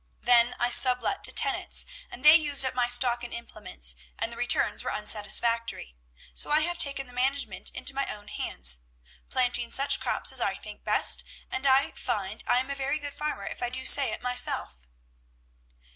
Then I sub let to tenants, and they used up my stock and implements, and the returns were unsatisfactory. So I have taken the management into my own hands, planting such crops as I think best, and I find I am a very good farmer, if I do say it myself.'"